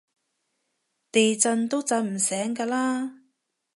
地震都震唔醒㗎喇